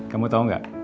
kamu tau gak